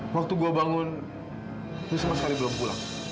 waktu gue bangun itu sama sekali belum pulang